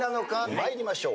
参りましょう。